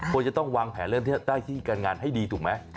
ควรจะต้องวางแผนเรื่องที่ได้ที่การงานให้ดีถูกไหม